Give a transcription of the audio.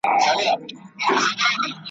اوس دېوالونه هم غوږونه لري `